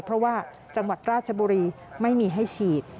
เพราะว่าจังหวัดราชบุรีไม่มีให้ฉีด